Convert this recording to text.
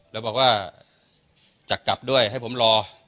แล้วบอกว่าจะกลับด้วยให้ผมรอ